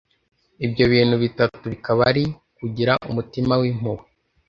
ibyo bintu bitatu bikaba ari: kugira umutima w’impuhwe…